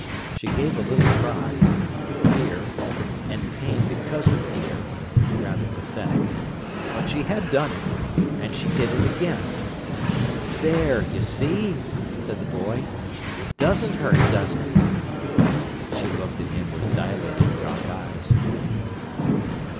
She gave a little cry—fear, and pain because of fear—rather pathetic. But she had done it, and she did it again. "There, you see," said the boy. "It doesn't hurt, does it?" She looked at him with dilated dark eyes.